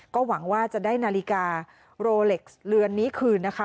ก็หวังว่าจะได้นาฬิกาโรเล็กซ์เรือนนี้คืนนะคะ